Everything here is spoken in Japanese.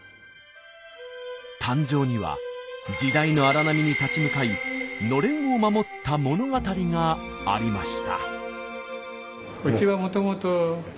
誕生には時代の荒波に立ち向かいのれんを守った物語がありました。